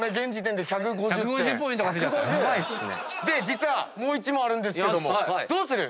実はもう１問あるんですけどもどうする？